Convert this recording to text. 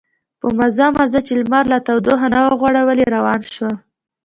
په مزه مزه چې لمر لا تودوخه نه وه غوړولې روان شوم.